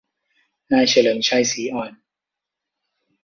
นายเฉลิมชัย ศรีอ่อน